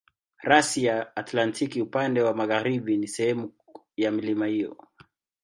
Rasi ya Antaktiki upande wa magharibi si sehemu ya milima hiyo.